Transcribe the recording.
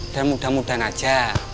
dan mudah mudahan aja